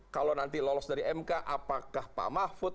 kalau nanti lolos dari mk apakah pak mahfud